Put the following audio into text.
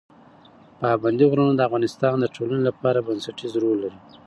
پابندی غرونه د افغانستان د ټولنې لپاره بنسټيز رول لري.